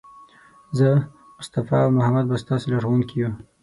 زه، مصطفی او محمد به ستاسې لارښوونکي یو.